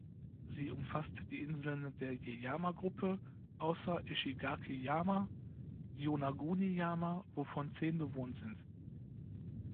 Sie umfasst die Inseln der Yaeyama-Gruppe, außer Ishigaki-jima, Yonaguni-jima, wovon zehn bewohnt sind.